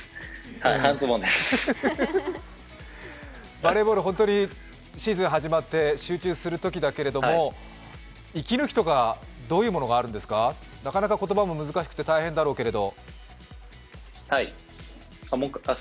バレーボール、本当にシーズン始まって集中するときだけれども、息抜きとかどういうものがあるんですか、なかなか言葉も難しくて大変だろうけれど。